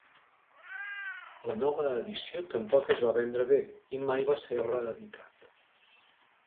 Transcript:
La nova edició tampoc es va vendre bé i mai va ser reeditat.